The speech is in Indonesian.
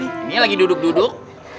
ini lagi duduk duduk